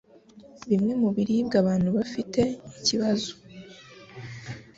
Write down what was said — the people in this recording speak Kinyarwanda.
Bimwe mu biribwa abantu bafite iki kibazo